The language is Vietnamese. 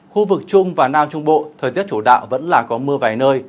khu vực trung và nam trung bộ thời tiết chủ đạo vẫn là có mưa vài nơi